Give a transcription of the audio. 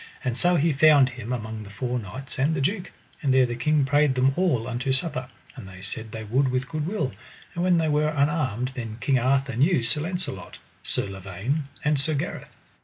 And so he found him among the four kings and the duke; and there the king prayed them all unto supper, and they said they would with good will. And when they were unarmed then King Arthur knew Sir Launcelot, Sir Lavaine, and Sir Gareth.